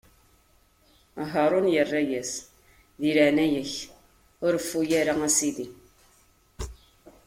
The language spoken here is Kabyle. Haṛun irra-as: Di leɛnaya-k, ur reffu ara, a sidi!